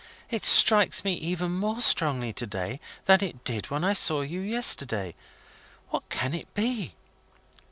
It strikes me even more strongly to day, than it did when I saw you yesterday. What can it be?"